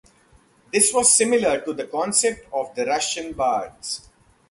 This was similar to the concept of the Russian bards.